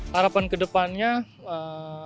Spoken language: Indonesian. harapan kedepannya ee